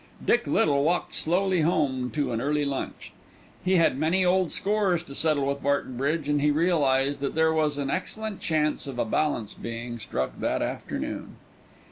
Dick Little walked slowly home to an early lunch. He had many old scores to settle with Barton Bridge, and he realised that there was an excellent chance of a balance being struck that afternoon.